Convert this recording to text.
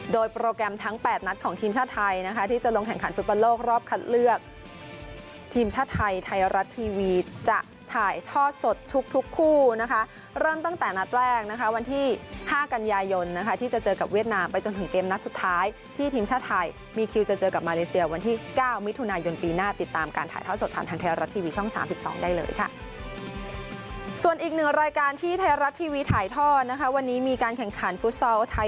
โดยโปรแกรมทั้ง๘นัดของทีมชาติไทยนะคะที่จะลงแข่งขันฟุตบอลโลกรอบคัดเลือกทีมชาติไทยไทยรัสทีวีจะถ่ายทอดสดทุกคู่นะคะเริ่มตั้งแต่นัดแรกนะคะวันที่๕กันยายนที่จะเจอกับเวียดนามไปจนถึงเกมนัดสุดท้ายที่ทีมชาติไทยมีคิวจะเจอกับมาเลเซียวันที่๙มิถุนายนปีหน้าติดตามการถ่ายทอดส